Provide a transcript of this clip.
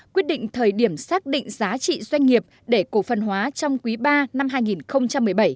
quyết định thời điểm xác định giá trị doanh nghiệp để cổ phần hóa trong quý ba năm hai nghìn một mươi bảy